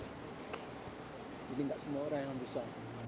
jadi tidak semua orang yang bisa